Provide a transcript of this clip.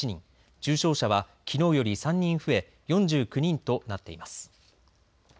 重症者はきのうより３人増え４９人となっています。